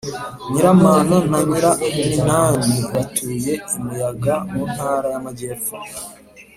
nyiramana na nyiraminani batuye i muyaga mu ntara y’amagepfo